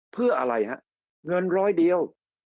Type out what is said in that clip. เพื่ออะไรฮะเงินร้อยเดียว